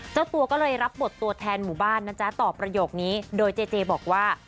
เจ้าตัวก็เลยรับบทตัวแทนหมู่บ้านนะจ๊ะตอบประโยคนี้โดยเจเจบอกว่า